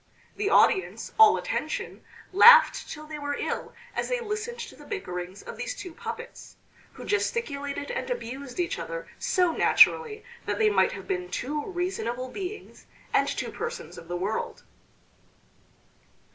The audience, all attention, laughed till they were ill as they listened to the bickerings of these two puppets, who gesticulated and abused each other so naturally that they might have been two reasonable beings, and two persons of the world.